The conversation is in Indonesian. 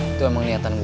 itu emang liatan gue